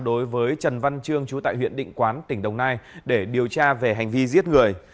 đối với trần văn trương chú tại huyện định quán tp đà nẵng để điều tra về hành vi giết người